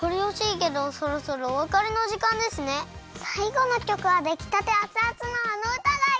さいごのきょくはできたてアツアツのあのうたがいい！